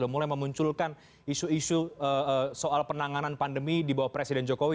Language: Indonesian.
mulai memunculkan isu isu soal penanganan pandemi di bawah presiden jokowi